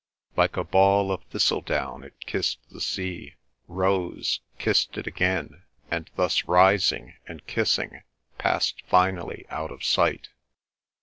Like a ball of thistledown it kissed the sea, rose, kissed it again, and thus rising and kissing passed finally out of sight.